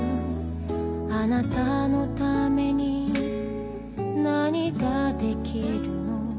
「あなたのために何ができるの」